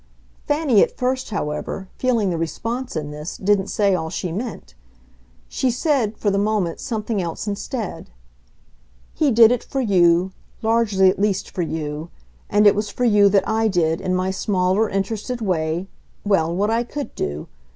Fanny at first, however, feeling the response in this, didn't say all she meant; she said for the moment something else instead. "He did it for you largely at least for you. And it was for you that I did, in my smaller, interested way well, what I could do.